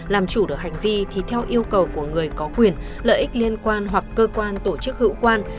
làm chủ được hành vi thì theo yêu cầu của người có quyền lợi ích liên quan hoặc cơ quan tổ chức hữu quan